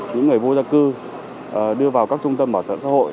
những người vô gia cư đưa vào các trung tâm bảo trợ xã hội